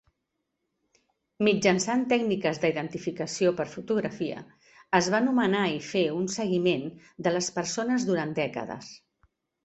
Mitjançant tècniques d'identificació per fotografia, es va nomenar i fer un seguiment de les persones durant dècades.